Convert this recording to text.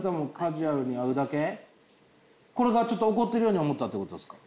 これがちょっと怒ってるように思ったということですか？